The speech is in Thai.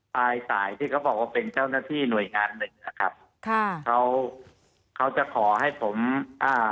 ปลายสายที่เขาบอกว่าเป็นเจ้าหน้าที่หน่วยงานหนึ่งนะครับค่ะเขาเขาจะขอให้ผมอ่า